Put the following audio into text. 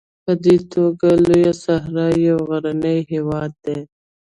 په دې توګه لویه صحرا یو غرنی هېواد دی.